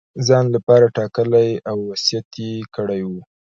ځان لپاره ټاکلی او وصیت یې کړی وو.